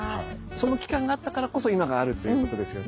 それの期間があったからこそ今があるっていうことですよね。